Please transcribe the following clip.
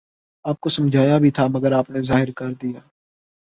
آپ کو سمجھایا بھی تھا مگر آپ نے ظاہر کر دیا۔